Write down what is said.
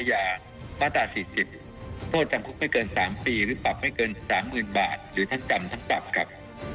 โทษจำคุกไม่เกิน๓ปีหรือปรับไม่เกิน๓๐๐๐๐บาทหรือท่านจำท่านปรับกับ